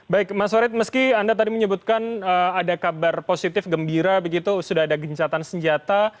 baik mas warid meski anda tadi menyebutkan ada kabar positif gembira begitu sudah ada gencatan senjata